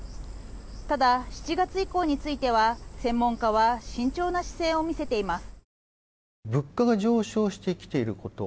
ただ、７月以降については専門家は慎重な姿勢を見せています。